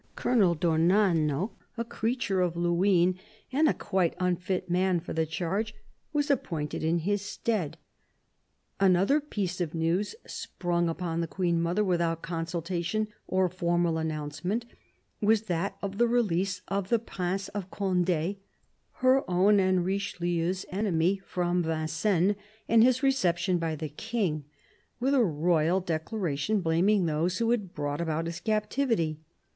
Colonel d'Ornano, a creature of Luynes and a quite unfit man for the charge, was appointed in his stead. Another piece of news, sprung upon the Queen mother without consultation or formal announcement, was that of the release of the Prince of Cond6, her own and Richelieu's enemy, from Vincennes, and his reception by the King, with a royal declaration blaming those who had brought about his captivity.